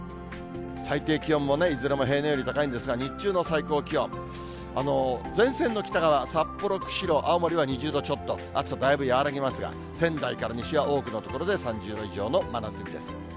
最低気温もね、いずれも平年より高いんですが、日中の最高気温、前線の北側、札幌、釧路、青森は２０度ちょっと、暑さだいぶ和らぎますが、仙台から西は多くの所で３０度以上の真夏日です。